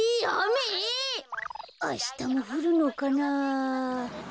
あしたもふるのかな。